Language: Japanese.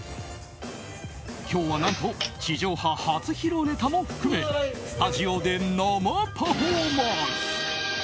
今日は何と地上波初披露ネタも含めスタジオで生パフォーマンス。